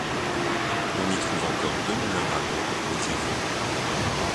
On y trouve encore deux moulins à eau médiévaux.